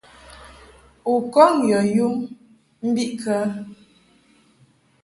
U kɔŋ yɔ yum mbiʼkə?